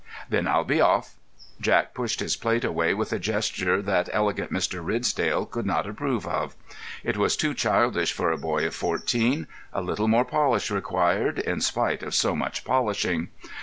"Then I'll be off." Jack pushed his plate away with a gesture that elegant Mr. Ridsdale could not approve of. It was too childish for a boy of fourteen—a little more polish required, in spite of so much polishing.